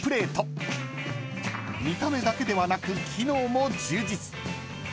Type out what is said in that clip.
［見た目だけではなく機能も充実］